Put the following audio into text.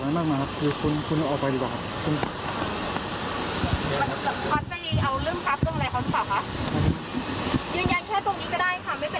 ยืนยันแค่ตรงนี้ก็ได้ค่ะไม่เป็นอะไร